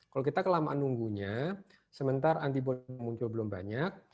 kalau kita kelamaan nunggunya sementara antibody muncul belum banyak